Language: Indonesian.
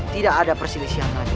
tidak ada perselisihannya